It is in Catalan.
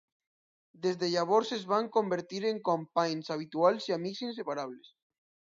Des de llavors es van convertir en companys habituals i amics inseparables.